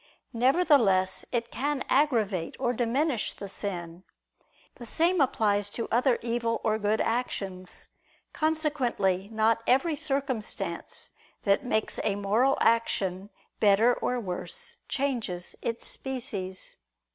Nevertheless it can aggravate or diminish the sin. The same applies to other evil or good actions. Consequently not every circumstance that makes a moral action better or worse, changes its species.